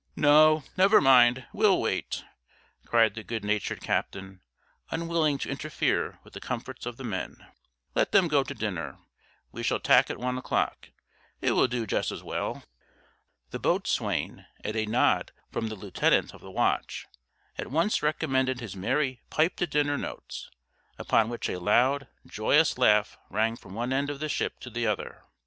"No; never mind; we'll wait," cried the good natured captain, unwilling to interfere with the comforts of the men; "let them go to dinner; we shall tack at one o'clock, it will do just as well." The boatswain, at a nod from the lieutenant of the watch, at once recommenced his merry "Pipe to dinner" notes; upon which a loud, joyous laugh rang from one end of the ship to the other.